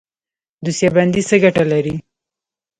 دوسیه بندي څه ګټه لري؟